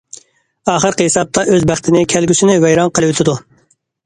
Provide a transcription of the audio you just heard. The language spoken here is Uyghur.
ئاخىرقى ھېسابتا ئۆز بەختىنى، كەلگۈسىنى ۋەيران قىلىۋېتىدۇ.